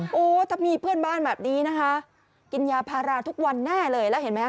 โอ้โหถ้ามีเพื่อนบ้านแบบนี้นะคะกินยาพาราทุกวันแน่เลยแล้วเห็นไหมฮ